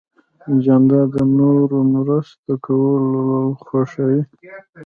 جانداد د نورو مرسته کول خوښوي.